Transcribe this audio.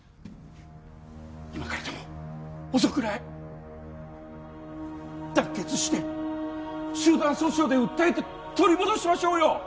今からでも遅くない団結して集団訴訟で訴えて取り戻しましょうよ